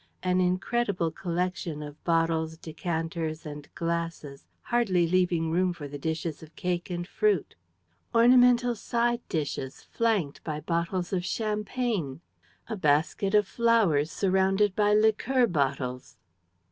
An incredible collection of bottles, decanters and glasses, hardly leaving room for the dishes of cake and fruit. Ornamental side dishes flanked by bottles of champagne. A basket of flowers surrounded by liqueur bottles.